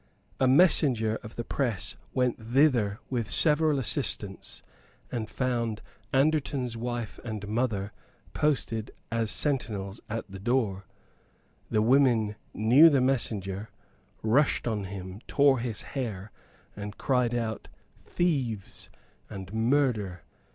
A messenger of the press went thither with several assistants, and found Anderton's wife and mother posted as sentinels at the door. The women knew the messenger, rushed on him, tore his hair, and cried out "Thieves" and "Murder."